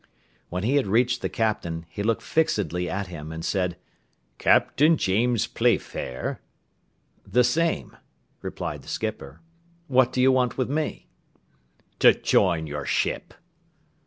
When he had reached the Captain, he looked fixedly at him, and said, "Captain James Playfair?" "The same," replied the skipper. "What do you want with me?" "To join your ship."